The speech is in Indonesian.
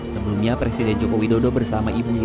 sebelumnya presiden jokowi dodo bersama presiden jokowi dodo